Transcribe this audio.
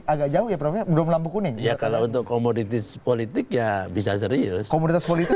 agak jauh ya prof ya belum lampu kuning ya kalau untuk komoditis politik ya bisa serius komunitas politik